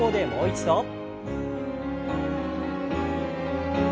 もう一度。